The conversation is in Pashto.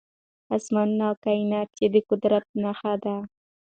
اسمانونه او کائنات يې د قدرت نښه ده .